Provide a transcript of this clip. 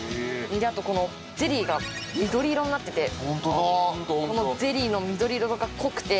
あとこのゼリーが緑色になっててこのゼリーの緑色が濃くて。